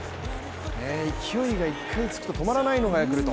勢いが一回つくと止まらないのがヤクルト。